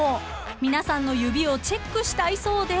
［皆さんの指をチェックしたいそうで］